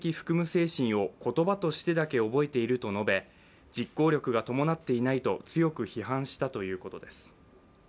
精神を言葉としてだけ覚えていると述べ、実行力が伴っていないと強く批判したということです。